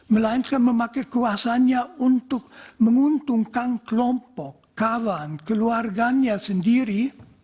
melainkan memakai kuasanya untuk menguntungkan kelompok kawan keluarganya sendiri